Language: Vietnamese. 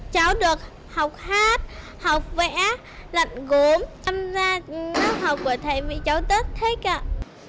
cháu được học hát học vẽ lặn gốm tâm ra lớp học của thầy vị cháu tất thích